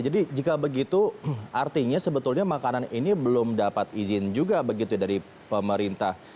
jadi jika begitu artinya sebetulnya makanan ini belum dapat izin juga begitu dari pemerintah